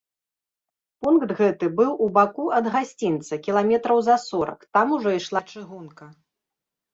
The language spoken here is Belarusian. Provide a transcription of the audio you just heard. Пункт гэты быў у баку ад гасцінца кіламетраў за сорак, там ужо ішла чыгунка.